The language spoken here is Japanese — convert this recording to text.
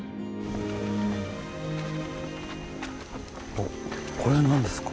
おっこれ何ですか？